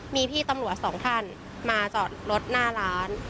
มีพี่ตำรวจสองท่านมาจอดรถหน้าร้าน